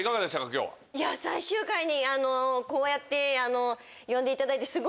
最終回にこうやって呼んでいただいて。